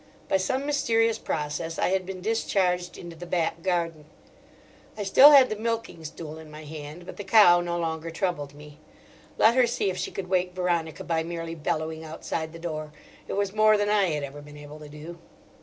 By some mysterious process I had been discharged into the back garden. I still had the milking stool in my hand, but the cow no longer troubled me. Let her see if she could wake Veronica by merely bellowing outside the door; it was more than I had ever been able to do.